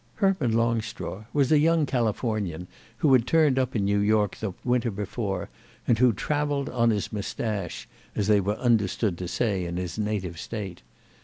Herman Longstraw was a young Californian who had turned up in New York the winter before and who travelled on his moustache, as they were understood to say in his native State.